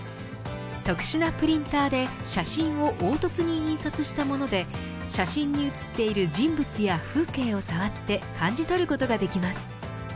特殊なプリンターで写真を凹凸に印刷したもので写真に写っている人物や風景を触って感じ取ることができます。